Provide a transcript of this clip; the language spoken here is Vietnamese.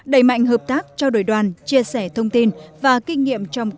đẩy mạnh hợp tác cho đội đoàn chia sẻ thông tin và kinh nghiệm